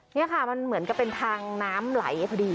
นี่ค่ะมันเหมือนกับเป็นทางน้ำไหลพอดี